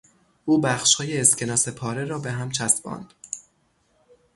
او بخشهای اسکناس پاره را به هم چسباند.